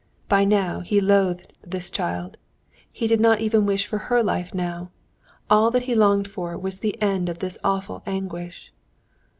By now he loathed this child. He did not even wish for her life now, all he longed for was the end of this awful anguish.